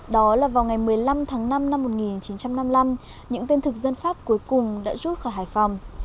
đó là vào ngày một mươi năm tháng năm năm một nghìn chín trăm năm mươi năm những tên thực dân pháp cuối cùng đã rút khỏi hải phòng